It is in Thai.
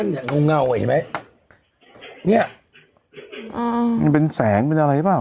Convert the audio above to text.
เนี่ยเงาเงาอ่ะเห็นไหมเนี่ยอ่ามันเป็นแสงเป็นอะไรหรือเปล่า